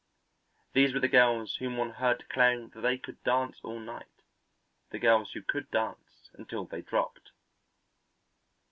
These were the girls whom one heard declaring that they could dance all night, the girls who could dance until they dropped.